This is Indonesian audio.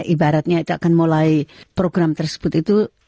ibaratnya itu akan mulai program tersebut itu